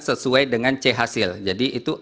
sesuai dengan c hasil jadi itu